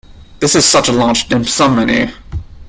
This is such a large dim sum menu.